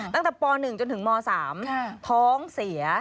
ตั้งแต่ป๑จนถึงม๓ท้องเสีย